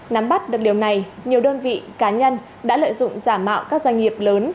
nắm bắt được điều này nhiều đơn vị cá nhân đã lợi dụng giả mạo các doanh nghiệp lớn